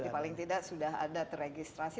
jadi paling tidak sudah ada teregistrasi